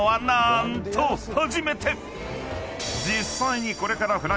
［実際にこれから］